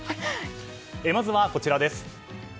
まずは、こちらです。